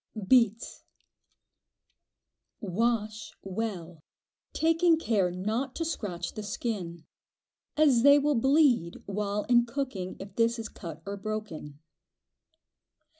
Beets. Wash well, taking care not to scratch the skin, as they will "bleed" while in cooking if this is cut or broken.